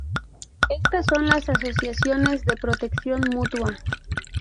Estas son las "Asociaciones de protección mutua".